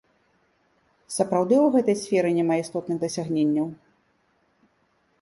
Сапраўды ў гэтай сферы няма істотных дасягненняў?